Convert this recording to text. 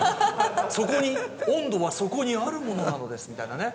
「そこに温度はそこにあるものなのです」みたいなね。